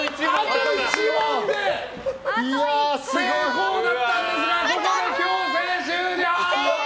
あと１問で成功だったんですがここで強制終了！